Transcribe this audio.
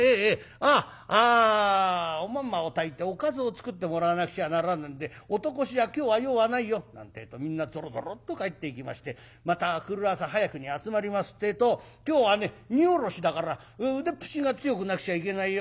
ああおまんまを炊いておかずを作ってもらわなくちゃならねえんで男衆は今日は用はないよ」なんてえとみんなぞろぞろっと帰っていきましてまた明くる朝早くに集まりますてえと「今日はね荷降ろしだから腕っぷしが強くなくちゃいけないよ。